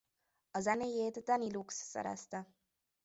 A zenéjét Danny Lux szerezte.